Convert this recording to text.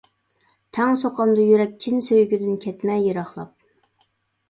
تەڭ سوقامدۇ يۈرەك، چىن سۆيگۈدىن كەتمە يىراقلاپ.